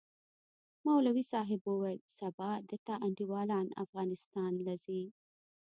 مولوي صاحب وويل سبا د تا انډيوالان افغانستان له زي.